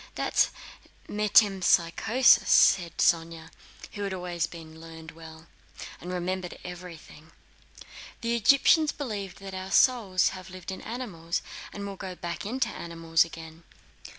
"That is metempsychosis," said Sónya, who had always learned well, and remembered everything. "The Egyptians believed that our souls have lived in animals, and will go back into animals again."